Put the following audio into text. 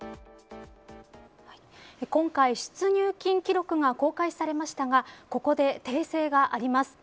今回、出入金記録が公開されましたがここで訂正があります。